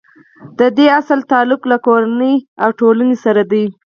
د دې اصل تعلق له کورنۍ او ټولنې سره دی.